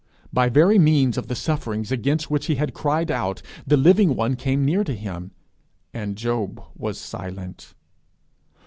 By very means of the sufferings against which he had cried out, the living one came near to him, and he was silent.